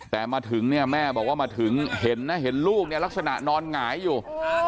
แต่มาถึงแม่บอกว่าเห็นลูกลักษณะนอนหงายอยู่